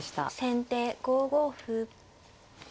先手５五歩。